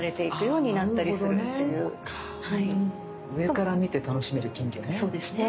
上から見て楽しめる金魚ね。